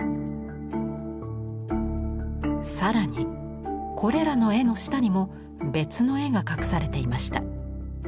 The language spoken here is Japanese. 更にこれらの絵の下にも別の絵が隠されていました。